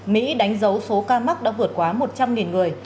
mỹ đánh dấu số ca mắc đã vượt quá một trăm linh người